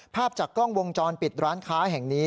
ภาพจากกล้องวงจรปิดร้านค้าแห่งนี้